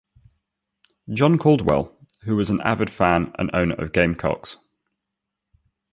John Caldwell, who was an avid fan and owner of gamecocks.